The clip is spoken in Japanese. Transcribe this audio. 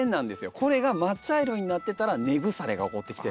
これが真っ茶色になってたら根腐れが起こってきてる。